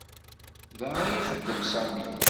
Da ay ixeddem Sami.